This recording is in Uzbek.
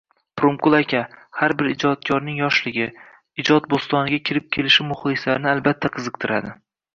Pirimqul aka, har bir ijodkorning yoshligi, ijod bo`stoniga kirib kelishi muxlislarini albatta qiziqtiradi